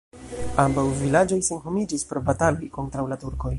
Ambaŭ vilaĝoj senhomiĝis pro bataloj kontraŭ la turkoj.